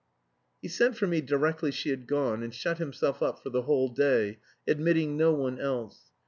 He sent for me directly she had gone and shut himself up for the whole day, admitting no one else.